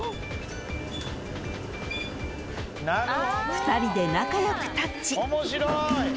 ［２人で仲良くタッチ］